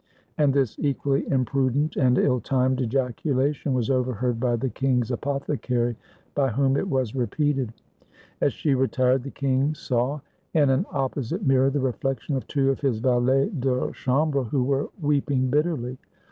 And this equally imprudent and ill timed ejaculation was overheard by the king's apothecary, by whom it was repeated. As she retired, the king saw in an opposite mirror the reflection of two of his valets de chambre, who were weeping bitterly.